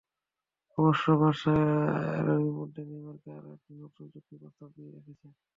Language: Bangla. অবশ্য বার্সা এরই মধ্যে নেইমারকে আরও একটি নতুন চুক্তির প্রস্তাব দিয়ে রেখেছে।